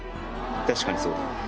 確かにそうだな。